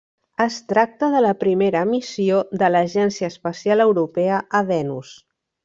Es tracta de la primera missió de l'Agència Espacial Europea a Venus.